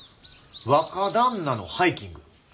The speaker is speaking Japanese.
「若旦那のハイキング」。